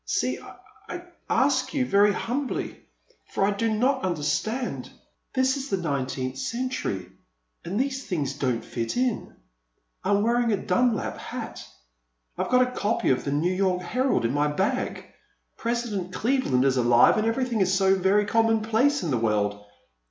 See, I ask you very humbly, for I do not understand. This is 384 The Man at the Next Table. the 19th centur>% and these things don't fit in. I *m wearing a Dunlap hat — I *ve got a copy of the New York Herald in my bag, — President Cleveland is alive and everything is so very commonplace in the world